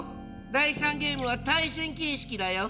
第３ゲームは対戦形式だよ。